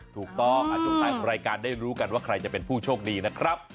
ถูกต้องอยู่ในรายการได้รู้กันว่าใครจะเป็นผู้โชคดีนะครับ